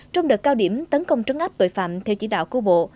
trong đợt cao điểm tấn công trấn áp tội phạm theo chỉ đạo của bộ